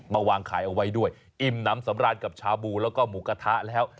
วางขายเอาไว้ด้วยอิ่มน้ำสำราญกับชาบูแล้วก็หมูกระทะแล้ว